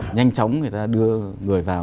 nhanh chóng người ta đưa người vào